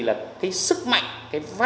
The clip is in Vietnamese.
là cái sức mạnh cái vai trò